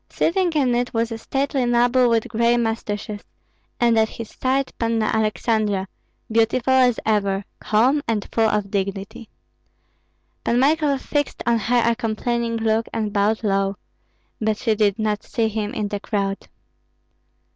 Sitting in it was a stately noble with gray mustaches, and at his side Panna Aleksandra; beautiful as ever, calm, and full of dignity. Pan Michael fixed on her a complaining look and bowed low, but she did not see him in the crowd.